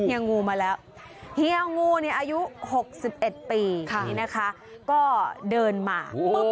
เยงูมาแล้วเฮียงูเนี่ยอายุ๖๑ปีนี้นะคะก็เดินมา